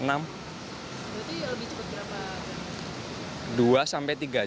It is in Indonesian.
itu lebih cepat berapa